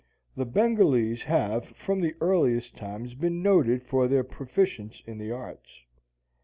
The Bengalese have from the earliest times been noted for their proficience in the arts.